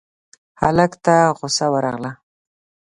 هلک ته غوسه ورغله: